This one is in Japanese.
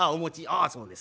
ああそうですか。